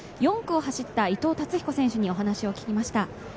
４区を走った伊藤達彦選手にお話を聞きました。